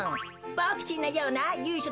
ボクちんのようなゆいしょ